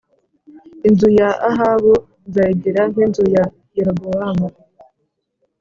Inzu ya Ahabu nzayigira nk inzu ya Yerobowamu